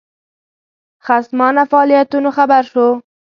خصمانه فعالیتونو خبر شو.